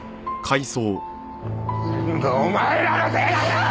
全部お前らのせいだよ！